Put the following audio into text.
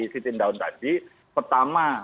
siti mdaun tadi pertama